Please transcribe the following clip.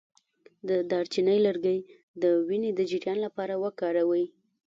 د دارچینی لرګی د وینې د جریان لپاره وکاروئ